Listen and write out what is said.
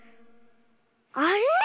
あれ⁉